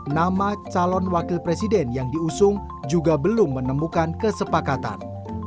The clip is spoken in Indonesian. nama calon wakil presiden yang diusung juga belum menemukan kesepakatan